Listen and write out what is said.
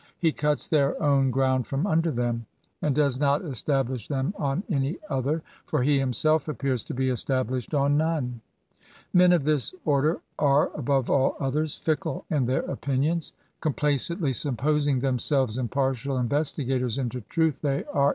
He cuts their own ground from under them, and does not establish them on any other, for he himself appears to be established on none. Men of this order are, above all others, fickle in their opinions. Complacently supposing them* 9elves impartial investigators into truth, they are.